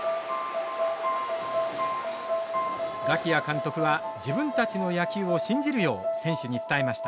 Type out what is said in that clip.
我喜屋監督は自分たちの野球を信じるよう選手に伝えました。